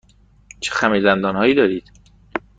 چه خمیردندان هایی دارید؟